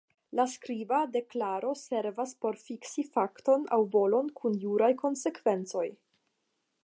La skriba deklaro servas por fiksi fakton aŭ volon kun juraj konsekvencoj.